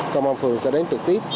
công an phường sẽ đến trực tiếp